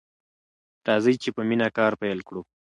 راځئ چې په مینه کار پیل کړو.